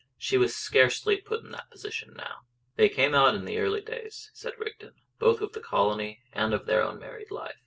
She was scarcely put in that position now. "They came out in the early days," said Rigden, "both of the colony and of their own married life.